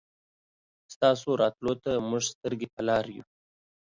ستاسو راتلو ته مونږ سترګې په لار يو